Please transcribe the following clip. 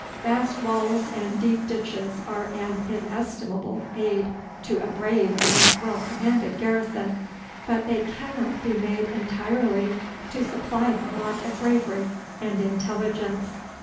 Vast walls and deep ditches are an inestimable aid to a brave and well commanded garrison; but they cannot be made entirely to supply the want of bravery and intelligence.